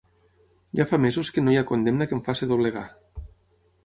Ja fa mesos que no hi ha condemna que em faci doblegar.